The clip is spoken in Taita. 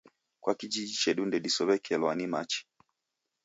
Kwa kijiji chedu ndedisow'ekelwa ni machi